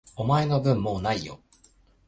お前の分、もう無いよ。